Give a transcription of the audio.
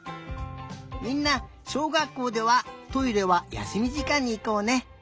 みんなしょうがっこうではトイレはやすみじかんにいこうね。